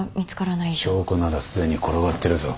証拠ならすでに転がってるぞ。